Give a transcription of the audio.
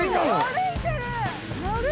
歩いてる！